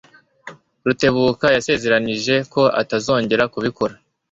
Rutebuka yasezeranyije ko atazongera kubikora.